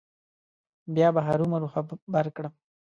بیا به هرو مرو خبر کړم.